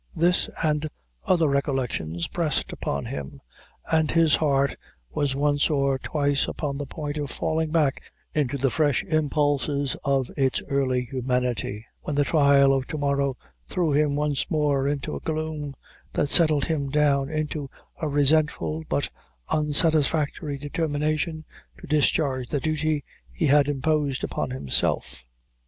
This, and other recollections, pressed upon Mm, and his heart was once or twice upon the point of falling back into the fresh impulses of its early humanity, when the trial of tomorrow threw him once more into a gloom, that settled him down into a resentful but unsatisfactory determination to discharge the duty he had imposed upon himself.